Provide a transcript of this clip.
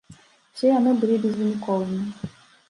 Усе яны былі безвыніковымі.